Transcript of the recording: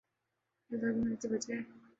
وہ زخمی ہونے سے بچ گئے